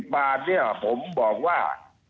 ๑๐บาทเนี่ยผมบอกว่า